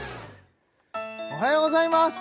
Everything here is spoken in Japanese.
おはようございます！